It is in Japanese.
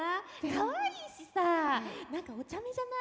かわいいしさ何かおちゃめじゃない？